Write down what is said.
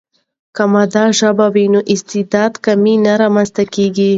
که مادي ژبه وي، نو استعداد کې کمی نه رامنځته کیږي.